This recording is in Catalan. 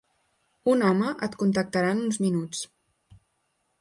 Un home et contactarà en uns minuts.